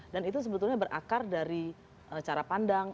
dan itu sebetulnya berakar dari cara pandang